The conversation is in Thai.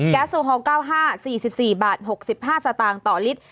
แก๊สโซฮอล์๙๕๔๔บาท๖๕สตต่อลิตร